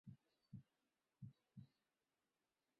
হিংসা, অসহায়ত্ব, হঠাৎ জেগে ওঠা রাগ এবং স্বার্থ থেকে হত্যা হচ্ছে।